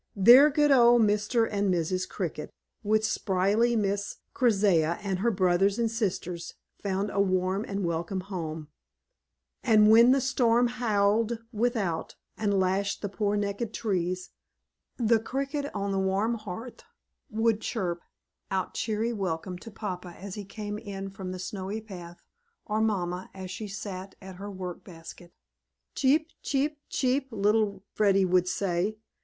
There good old Mr. and Mrs. Cricket, with sprightly Miss Keziah and her brothers and sisters, found a warm and welcome home; and when the storm howled without, and lashed the poor naked trees, the Cricket on the warm hearth would chirp out cheery welcome to papa as he came in from the snowy path, or mamma as she sat at her work basket. "Cheep, cheep, cheep!" little Freddy would say.